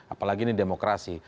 apalagi ini demokrasi